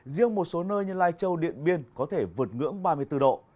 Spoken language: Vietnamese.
riêng một số nơi như lai châu điện biên có thể vượt ngưỡng ba mươi bốn độ